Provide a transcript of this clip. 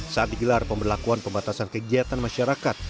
saat digelar pemberlakuan pembatasan kegiatan masyarakat